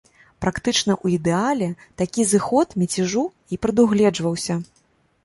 Практычна ў ідэале такі зыход мяцяжу і прадугледжваўся.